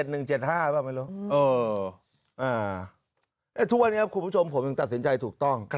เนี้ยทุกวันเองครับคุณผู้ชมผมยังจัดสินใจถูกต้อง